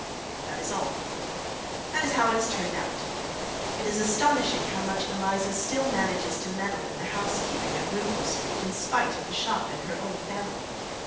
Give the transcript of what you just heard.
That is all. That is how it has turned out. It is astonishing how much Eliza still manages to meddle in the housekeeping at Wimpole Street in spite of the shop and her own family.